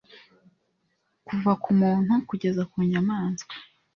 kuva ku muntu kugeza ku nyamaswa,